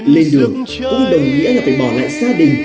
lên đường cũng đồng nghĩa là phải bỏ lại gia đình